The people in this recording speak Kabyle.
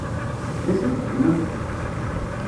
D acu i txeddmemt?